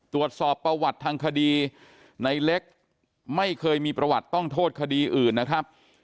ตรวจสอบประวัติทางคดีในเล็กไม่เคยมีประวัติต้องโทษคดีอื่นนะครับ